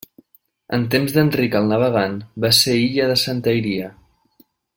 En temps d'Enric el Navegant va ser illa de Santa Iria.